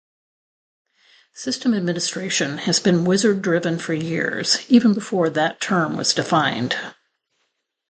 System administration has been wizard-driven for years, even before that term was defined.